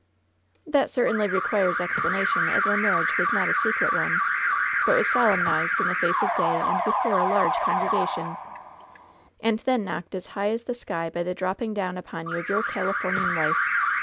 "That certainly requires explanation, as our marriage was not a secret one, but was solemnized in the face of day and before a large congregation "And then knocked as high as the sky by the drop ping down upon you of your Calif omian wife!